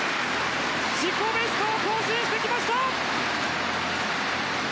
自己ベストを更新してきました。